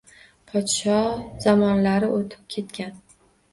Poshsho zamonlari o‘tib ketgan.